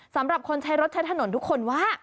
สำหรับคนใช้รถใช้ถนนทุกคนว่า